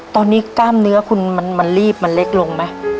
ตอนนี้กล้ามเนื้อคุณมันรีบมันเล็กลงไหม